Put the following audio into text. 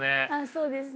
そうですね。